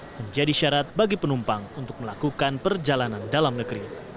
menjadi syarat bagi penumpang untuk melakukan perjalanan dalam negeri